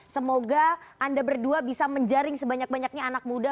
semoga anda berdua bisa menjaring sebanyak banyaknya anak muda